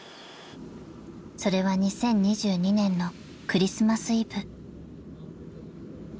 ［それは２０２２年のクリスマスイブ］